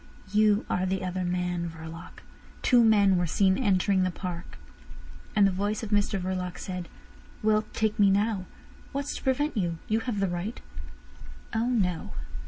"You are the other man, Verloc. Two men were seen entering the park." And the voice of Mr Verloc said: "Well, take me now. What's to prevent you? You have the right." "Oh no!